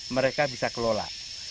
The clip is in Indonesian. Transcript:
mereka bisa kelola